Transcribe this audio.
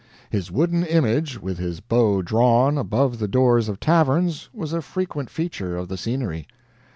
His wooden image, with his bow drawn, above the doors of taverns, was a frequent feature of the scenery.